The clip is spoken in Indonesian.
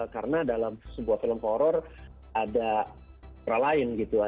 karena dalam sebuah film horor ada peralain gitu